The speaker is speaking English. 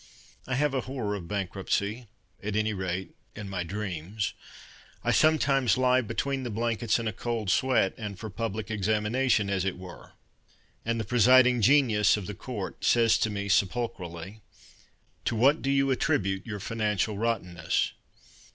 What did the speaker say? I have a horror of bankruptcy, At any rate in my dreams. I sometimes lie Between the blankets In a cold sweat And for public examination as it were, And the presiding genius of the court Says to me, sepulchrally, "To what do you attribute your financial rottenness?"